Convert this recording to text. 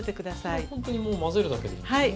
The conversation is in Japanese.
これはほんとにもう混ぜるだけでいいんですね。